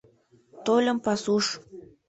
Тольым пасуш.